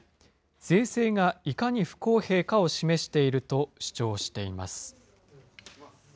税制がいかに不公平かを示していると主張しています。